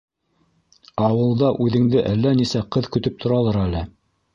Ауылда үҙеңде әллә нисә ҡыҙ көтөп торалыр әле...